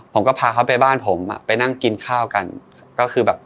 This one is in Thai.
ผมก็พาเขาไปบ้านผมอ่ะไปนั่งกินข้าวกันก็คือแบบ